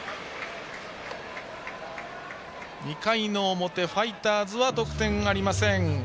２回の表ファイターズは得点ありません。